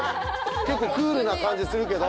結構クールな感じするけど。